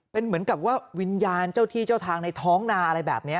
เป็นเหมือนกับว่าวิญญาณเจ้าที่เจ้าทางในท้องนาอะไรแบบนี้